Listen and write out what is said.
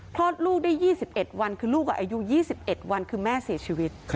คลอดลูกได้๒๑วันคือลูกอายุ๒๑วันคือแม่เสียชีวิต